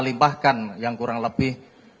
limbahkan yang kurang lebih